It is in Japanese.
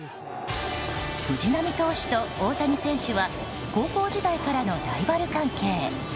藤浪投手と大谷選手は高校時代からのライバル関係。